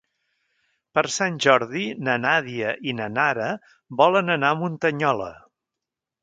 Per Sant Jordi na Nàdia i na Nara volen anar a Muntanyola.